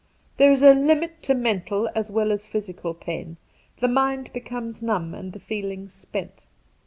There is a limit to mental as well as physical pain ; the mind becomes numb and the feelings spent.